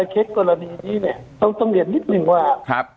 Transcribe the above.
เคสกรณีนี้เนี่ยต้องเรียนนิดนึงว่า